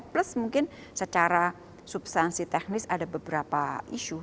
plus mungkin secara substansi teknis ada beberapa isu